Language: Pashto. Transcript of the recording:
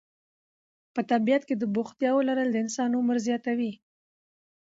په طبیعت کې د بوختیاوو لرل د انسان عمر زیاتوي.